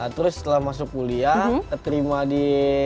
terus setelah masuk kuliah terima di